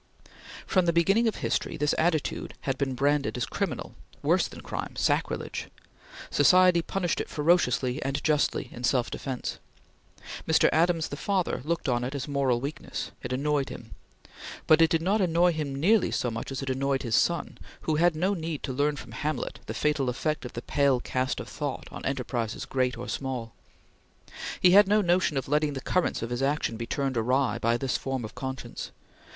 From the beginning of history, this attitude had been branded as criminal worse than crime sacrilege! Society punished it ferociously and justly, in self defence. Mr. Adams, the father, looked on it as moral weakness; it annoyed him; but it did not annoy him nearly so much as it annoyed his son, who had no need to learn from Hamlet the fatal effect of the pale cast of thought on enterprises great or small. He had no notion of letting the currents of his action be turned awry by this form of conscience.